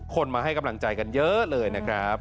มาให้กำลังใจกันเยอะเลยนะครับ